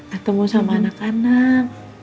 ketemu sama anak anak